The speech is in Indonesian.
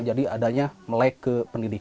jadi adanya melek ke pendidikan